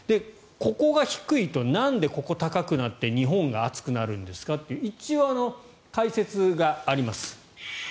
ここが低いとなんでここ、高くなって日本が暑くなるんですかという一応、解説があります。